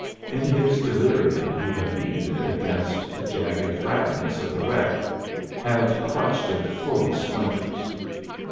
In his delirium he had beaten it against the jagged fragments of the wreck, had clutched it full of splinters.